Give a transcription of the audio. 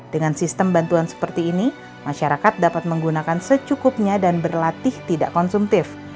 dengan sistem bantuan seperti ini masyarakat dapat menggunakan secukupnya dan berlatih tidak konsumtif